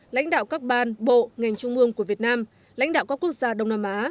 lãnh đạo các ban bộ ngành trung ương của việt nam lãnh đạo các quốc gia đông nam á